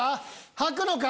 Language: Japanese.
はくのか？